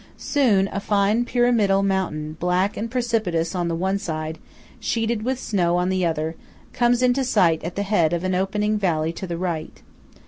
Soon, a fine pyramidal mountain, black and precipitous on the one side, sheeted with snow on the other, comes into sight at the head of an opening valley to the right.